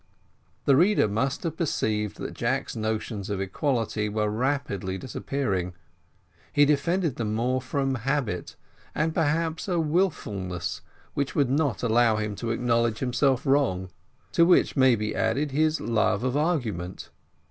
The reader must have perceived that Jack's notions of equality were rapidly disappearing; he defended them more from habit, and perhaps a wilfulness which would not allow him to acknowledge himself wrong; to which may be added his love of argument.